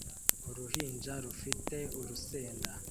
Uruhinja rufite urusenda